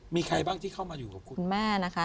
มีใครบ้างที่เข้ามาอยู่กับคุณ